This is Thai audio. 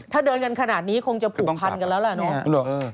ถ้าเดินกันขนาดนี้คงจะผูปพันธ์เนี่ยแล้ว